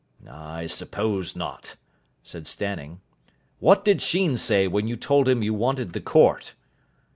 "I suppose not," said Stanning. "What did Sheen say when you told him you wanted the court?"